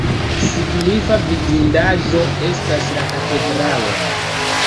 Signifa vidindaĵo estas la katedralo.